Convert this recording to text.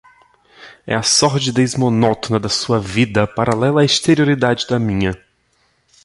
É a sordidez monótona da sua vida, paralela à exterioridade da minha